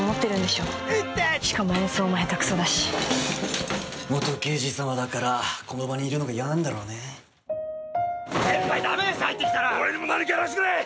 しかも演奏もヘタクソだし・元刑事様だからこの場にいるのが嫌なんだろうね先輩ダメです入ってきたら俺にも何かやらしてくれ！